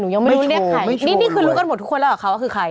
นี่คือรู้กันหมดทุกคนแล้วว่าคือใคร